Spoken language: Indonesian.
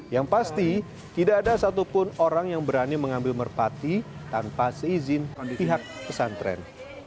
yang pasti tidak ada satupun orang yang berani mengambil merpati tanpa seizin pihak pesantren